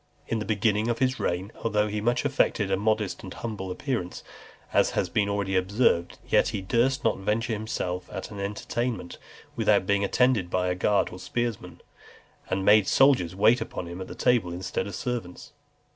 In the beginning of his reign, though he much affected a modest and humble appearance, as has been already observed, yet he durst not venture himself at an entertainment without being attended by a guard of spearmen, and made soldiers wait upon him at table instead of servants.